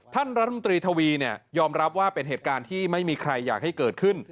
ท่านรัฐมนตรีทวียอมรับว่าเป็นเหตุการณ์ที่ไม่มีใครอยากให้เกิดขึ้น